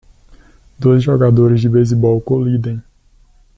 Dois jogadores de beisebol colidem.